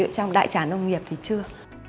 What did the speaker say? trong đại trả nông nghiệp thì chưa